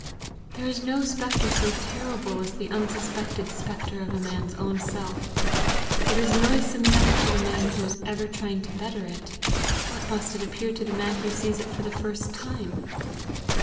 There is no spectre so terrible as the unsuspected spectre of a man's own self; it is noisome enough to the man who is ever trying to better it: what must it appear to the man who sees it for the first time!